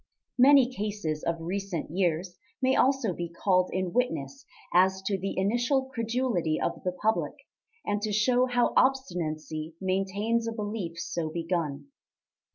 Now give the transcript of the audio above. Many cases of recent years may also be called in witness as to the initial credulity of the public, and to show how obstinacy maintains a belief so begun.